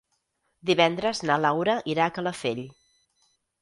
Divendres na Laura irà a Calafell.